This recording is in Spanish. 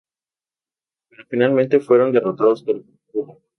Pero finalmente fueron derrotados por Cuba.